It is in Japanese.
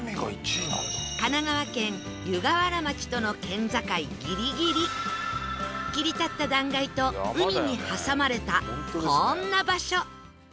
神奈川県湯河原町との県境ギリギリ切り立った断崖と海に挟まれたこんな場所